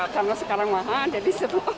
karena sekarang mahal jadi